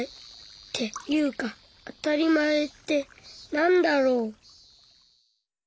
っていうかあたりまえってなんだろう。